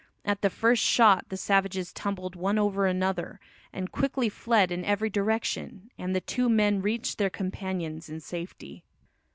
At the first shot the savages tumbled "one over another" and quickly fled in every direction, and the two men reached their companions in safety.